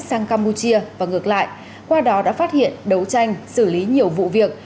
sang campuchia và ngược lại qua đó đã phát hiện đấu tranh xử lý nhiều vụ việc